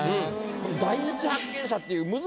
「第一発見者」っていう。